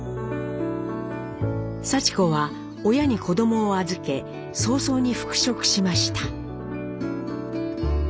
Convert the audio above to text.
さち子は親に子どもを預け早々に復職しました。